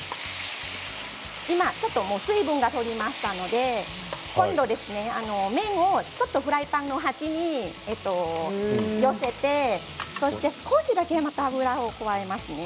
今、水分が飛びましたので今度は麺をちょっとフライパンの端に寄せてそして少しだけまた油を加えますね。